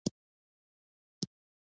کلي د افغانستان د پوهنې نصاب کې شامل دي.